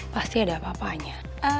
pasti ada apa apanya